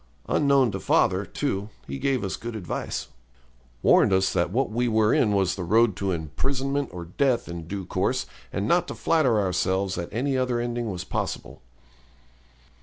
Unknown to father, too, he gave us good advice, warned us that what we were in was the road to imprisonment or death in due course, and not to flatter ourselves that any other ending was possible.